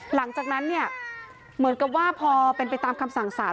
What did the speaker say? หลังจากนั้นเนี่ยเหมือนกับว่าพอเป็นไปตามคำสั่งสาร